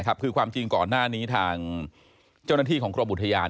คือความจริงก่อนหน้านี้ทางเจ้าหน้าที่ของกรมอุทยาน